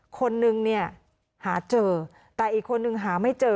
คนนึงเนี่ยหาเจอแต่อีกคนนึงหาไม่เจอ